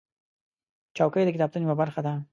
چوکۍ د کتابتون یوه برخه ده.